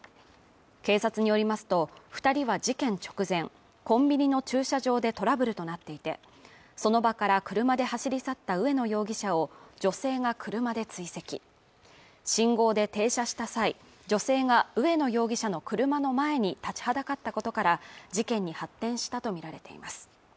警察によりますと二人は事件直前コンビニの駐車場でトラブルとなっていてその場から車で走り去った上野容疑者を女性が車で追跡信号で停車した際女性が上野容疑者の車の前に立ちはだかったことから事件に発展したと見られています